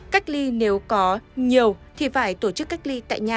cách ly nếu có nhiều thì phải tổ chức cách ly tại nhà